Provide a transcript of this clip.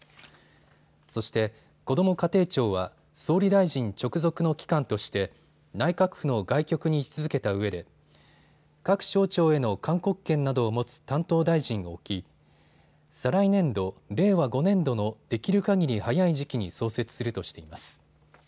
そしてこども家庭庁は総理大臣直属の機関として内閣府の外局に位置づけたうえで各省庁への勧告権などを持つ担当大臣を置き再来年度・令和５年度のできるかぎり早い時期に創設するとしています。